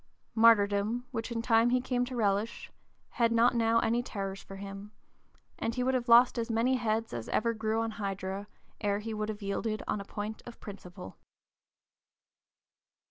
Martyrdom, which in time he came to relish, had not now any terrors for him; and he would have lost as many heads as ever grew on Hydra, ere he would have yielded on a point of principle.